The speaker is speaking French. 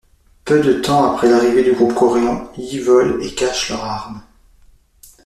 Peu de temps après l’arrivée du groupe coréen, Yi vole et cache leurs armes.